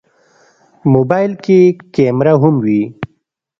موبایل کې کیمره هم وي.